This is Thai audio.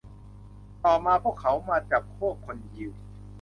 ต่อมา พวกเขามาจับพวกคนยิว